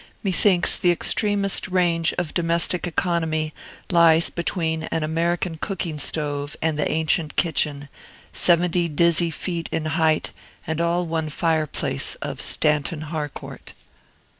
Methinks the extremest range of domestic economy lies between an American cooking stove and the ancient kitchen, seventy dizzy feet in height and all one fireplace, of Stanton Harcourt.